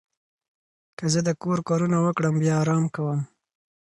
که زه د کور کارونه وکړم، بیا آرام کوم.